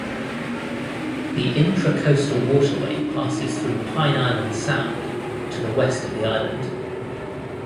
The Intracoastal Waterway passes through Pine Island Sound, to the west of the island.